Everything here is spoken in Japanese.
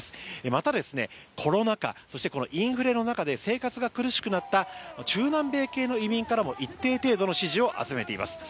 また、コロナ禍そしてインフレの中で生活が苦しくなった中南米系の移民からも一定程度の支持を集めています。